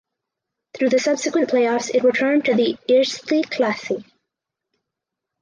Through the subsequent playoffs it returned to the Eerste Klasse.